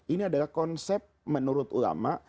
ini adalah konsep menurut ulama